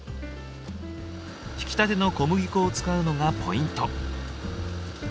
ひきたての小麦粉を使うのがポイント。